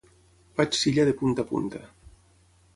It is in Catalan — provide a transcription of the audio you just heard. Faig s'illa de punta a punta.